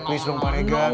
please dong pak regar